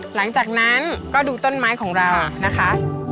หลังจากนั้นก็ดูต้นไม้ของเรานะคะ